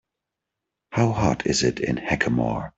How hot is it in Hackamore